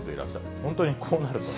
本当にこうなるとね。